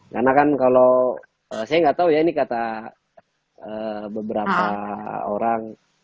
karena kan kalau saya nggak tahu ya ini kata beberapa orang